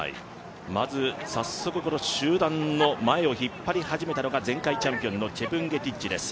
まず、早速集団の前を引っ張り始めたのが前回チャンピオンのチェプンゲティッチです。